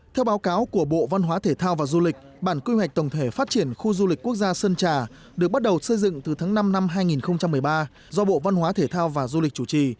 theo báo cáo của bộ văn hóa thể thao và du lịch bản quy hoạch tổng thể phát triển khu du lịch quốc gia sơn trà được bắt đầu xây dựng từ tháng năm năm hai nghìn một mươi ba do bộ văn hóa thể thao và du lịch chủ trì